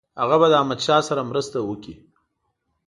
هغه به له احمدشاه سره مرسته وکړي.